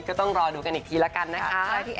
ก็ต้องรอดูกันอีกทีละกันนะคะ